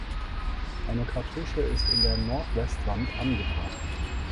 Eine Kartusche ist in der Nordwestwand angebracht.